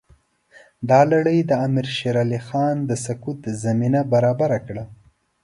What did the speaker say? دا لړۍ د امیر شېر علي خان د سقوط زمینه برابره کړه.